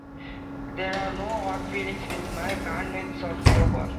There are no hard feelings with my bandmates of Crowbar.